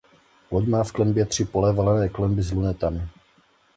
Loď má v klenbě tři pole valené klenby s lunetami.